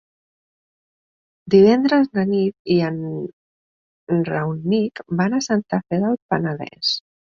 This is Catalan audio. Divendres na Nit i en Rauric van a Santa Fe del Penedès.